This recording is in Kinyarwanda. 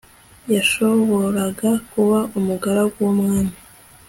yashoboraga kuba umugaragu w'umwami